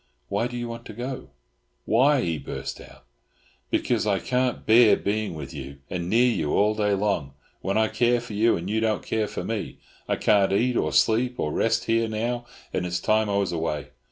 "Why do you want to go?" "Why?" he burst out. "Because I can't bear being with you and near you all day long, when I care for you, and you don't care for me. I can't eat, or sleep, or rest here now, and it's time I was away.